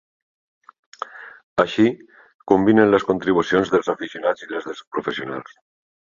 Així combinen les contribucions dels aficionats i les dels professionals.